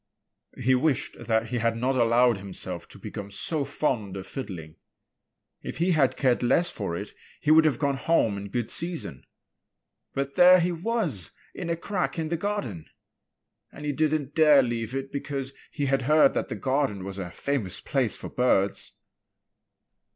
He wished that he had not allowed himself to become so fond of fiddling. If he had cared less for it, he would have gone home in good season. But there he was in a crack in the garden! And he didn't dare leave it because he had heard that the garden was a famous place for birds.